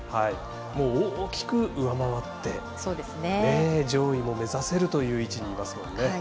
大きく上回って上位も目指せるという位置にいますもんね。